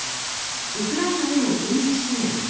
ウクライナへの軍事支援